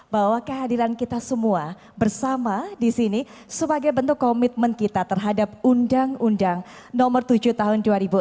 bahwa kehadiran kita semua bersama di sini sebagai bentuk komitmen kita terhadap undang undang nomor tujuh tahun dua ribu enam belas